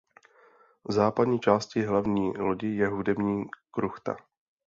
V západní části hlavní lodi je hudební kruchta.